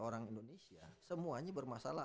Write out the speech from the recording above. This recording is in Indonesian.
orang indonesia semuanya bermasalah